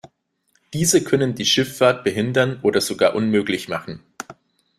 Diese können die Schifffahrt behindern oder sogar unmöglich machen.